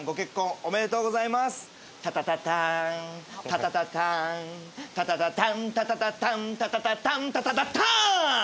「タタタターンタタタターン」「タタタタンタタタタンタタタタン」タタタターン！